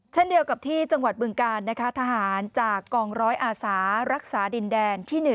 เช่นเดียวกับที่จังหวัดบึงการนะคะทหารจากกองร้อยอาสารักษาดินแดนที่๑